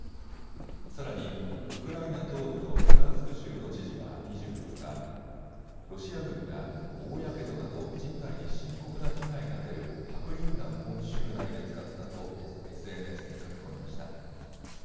さらにウクライナ東部のルガンスク州の知事は２４日、ロシア軍が大やけどなど人体に深刻な被害が出る白リン弾を州内で使ったとＳＮＳに書き込みました。